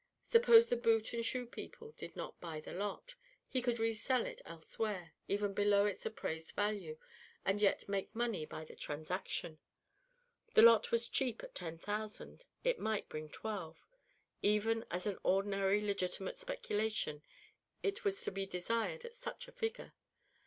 Suppose the boot and shoe people did not buy the lot? He could resell it elsewhere, even below its appraised value and yet make money by the transaction; the lot was cheap at ten thousand; it might bring twelve; even as an ordinary, legitimate speculation it was to be desired at such a figure.